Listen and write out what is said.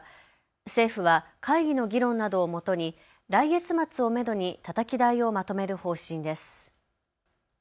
政府は会議の議論などをもとに来月末をめどにたたき台をまとめる方針です。